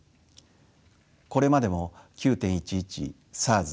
これまでも９．１１ＳＡＲＳ